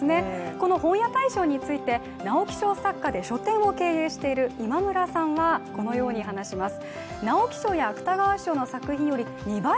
この本屋大賞について直木賞作家で書店を経営している今村さんはこのように話します。